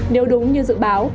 nếu đúng như dự báo